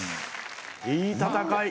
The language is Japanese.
・いい戦い。